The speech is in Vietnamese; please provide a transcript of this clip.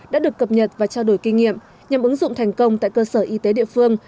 đã được cập nhật và trao đổi kinh nghiệm nhằm ứng dụng thành công tại cơ sở y tế địa phương